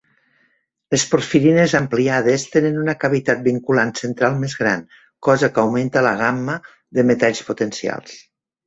Les porfirines ampliades tenen una cavitat vinculant central més gran, cosa que augmenta la gamma de metalls potencials.